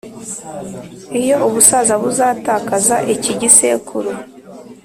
iyo ubusaza buzatakaza iki gisekuru,